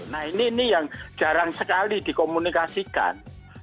nah ini yang jarang sekali dikomunikasikan